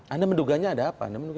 anda menduganya ada apa